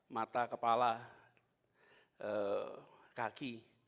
mata kepala kaki